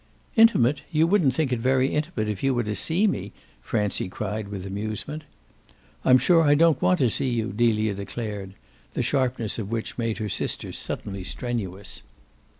"Intimate? You wouldn't think it's very intimate if you were to see me!" Francie cried with amusement. "I'm sure I don't want to see you," Delia declared the sharpness of which made her sister suddenly strenuous.